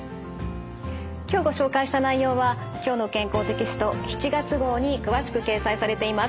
今日ご紹介した内容は「きょうの健康」テキスト７月号に詳しく掲載されています。